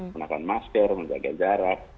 menahan masker menjaga jarak